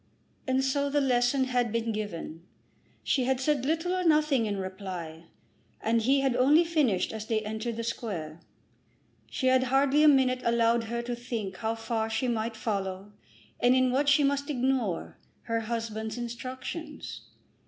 And so the lesson had been given. She had said little or nothing in reply, and he had only finished as they entered the Square. She had hardly a minute allowed her to think how far she might follow, and in what she must ignore, her husband's instructions.